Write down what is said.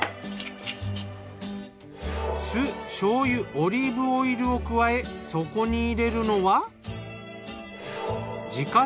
酢・醤油・オリーブオイルを加えそこに入れるのは。